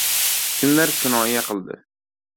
Kimdir kinoya qildi: